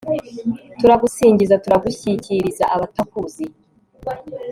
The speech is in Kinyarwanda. turagusingiza turagushyikiriza abatakuzi